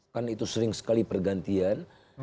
kan itu sering sekali pergantian